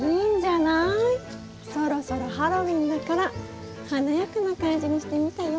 そろそろハロウィーンだから華やかな感じにしてみたよ。